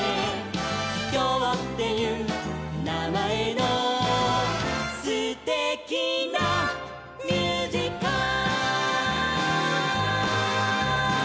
「きょうっていうなまえのすてきなミュージカル」